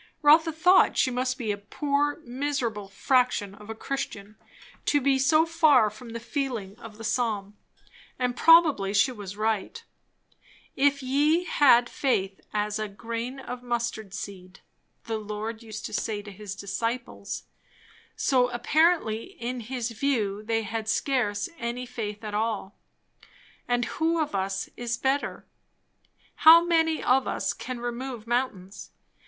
Rotha thought she must be a poor, miserable fraction of a Christian, to be so far from the feeling of the psalm; and probably she was right. "If ye had faith as a grain of mustard seed," the Lord used to say to his disciples; so apparently in his view they had scarce any faith at all. And who of us is better? How many of us can remove mountains?